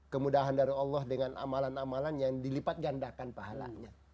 kemudahan dari allah dengan amalan amalan yang dilipat gandakan pahalanya